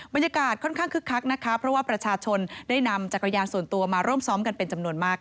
บรรยากาศค่อนข้างคึกคักนะคะเพราะว่าประชาชนได้นำจักรยานส่วนตัวมาร่วมซ้อมกันเป็นจำนวนมาก